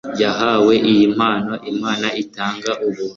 yahawe iyi mpano. imana itanga ubuntu